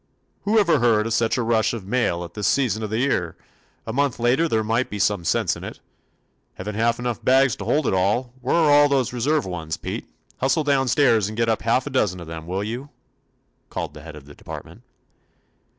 "Who ever heard of such a rush of mail at this season of the year? A month later there might be some sense in it. Have n't half enough bags to hold it all. Where are all those reserve ones, Pete? Hustle down stairs and get up half a dozen of them, will you?" called the head of the department.